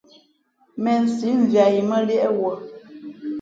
Mēnsī , mviāt yī mά liēʼ wuᾱ.